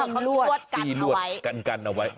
มีความรวดกันเอาไว้